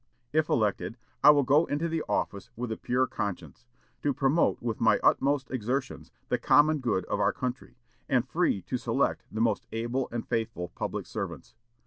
If elected, I will go into the office with a pure conscience, to promote with my utmost exertions the common good of our country, and free to select the most able and faithful public servants.